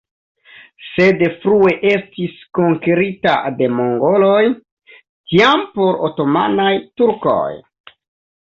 Sed frue estis konkerita de mongoloj, tiam por otomanaj turkoj.